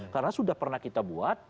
karena sudah pernah kita buat